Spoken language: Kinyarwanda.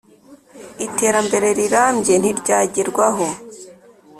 Iterambere rirambye ntiryagerwaho